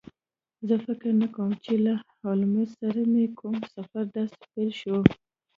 زه فکر نه کوم چې له هولمز سره مې کوم سفر داسې پیل شو